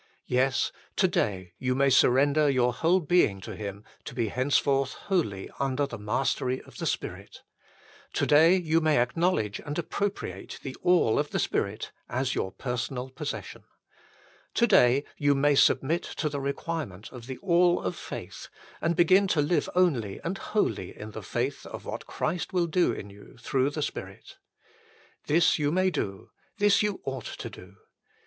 Yes : to day you may surrender your whole being to Him to be henceforth wholly under the mastery of the Spirit. To day you may acknowledge and appropriate the All of the Spirit as your personal 1 Ps. xcv. 7 ; Heb. iii. 15. HOW EVERYTHING MUST BE GIVEN UP 181 possession. To day you may submit to the re quirement of the All of faith and begin to live only and wholly in the faith of what Christ will do in you through the Spirit. This you may do ; this you ought to do.